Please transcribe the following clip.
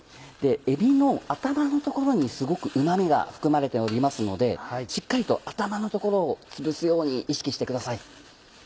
えびの頭の所にすごくうま味が含まれておりますのでしっかりと頭の所をつぶすように意識してください。